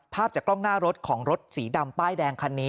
ภาพจากกล้องหน้ารถของรถสีดำป้ายแดงคันนี้